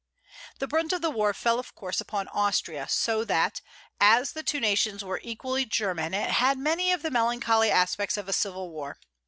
The brunt of the war fell of course upon Austria, so that, as the two nations were equally German, it had many of the melancholy aspects of a civil war.